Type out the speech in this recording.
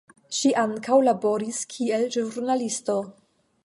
Ŝi ankaŭ laboris kiel ĵurnalisto.